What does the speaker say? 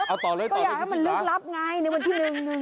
อ๊ะต่อเลยก็อยากให้มันลึกลับไงไนวันที่